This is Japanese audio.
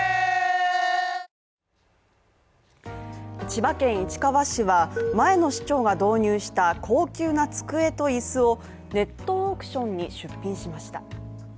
千葉県市川市は、前の市長が導入した高級な机と椅子をネットオークションに出品しました。